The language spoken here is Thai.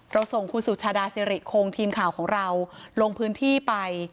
ส่งคุณสุชาดาสิริคงทีมข่าวของเราลงพื้นที่ไป